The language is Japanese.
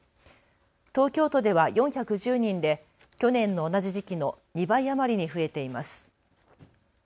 東京都では４１０人で去年の同じ時期の２倍余りに増えています。